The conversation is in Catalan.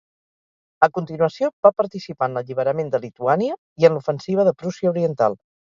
A continuació va participar en l'alliberament de Lituània i en l'ofensiva de Prússia Oriental.